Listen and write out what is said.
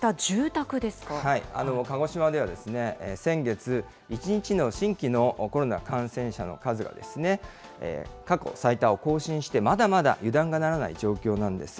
鹿児島では先月、１日の新規のコロナ感染者の数が、過去最多を更新して、まだまだ油断がならない状況なんです。